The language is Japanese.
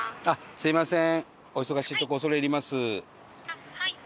「すみません